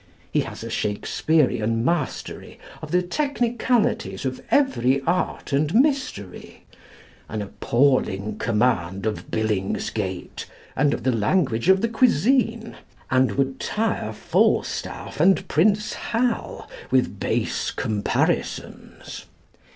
He has a Shakespearean mastery of the technicalities of every art and mystery, an appalling command of billingsgate and of the language of the cuisine, and would tire Falstaff and Prince Hal with base comparisons.